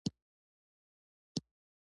هغې انګلیسي ژبه سمه زده کړې وه